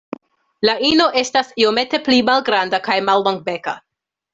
La ino estas iomete pli malgranda kaj mallongbeka.